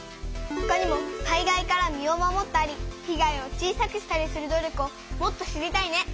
ほかにも災害から身を守ったり被害を小さくしたりする努力をもっと知りたいね！